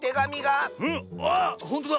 あほんとだ。